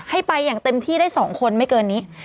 ให้ไปอย่างเต็มที่ได้๒คนไม่เกินนี้